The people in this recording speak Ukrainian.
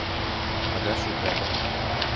А де ж у тебе?